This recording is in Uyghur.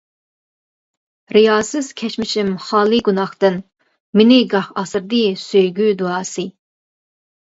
رىياسىز كەچمىشىم خالىي گۇناھتىن، مېنى گاھ ئاسرىدى سۆيگۈ دۇئاسى.